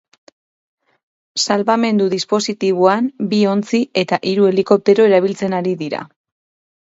Salbamendu dispositiboan, bi ontzi eta hiru helikoptero erabiltzen ari dira.